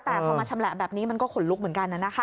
แต่พอมาชำแหละแบบนี้มันก็ขนลุกเหมือนกัน